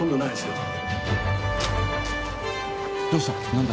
どうした？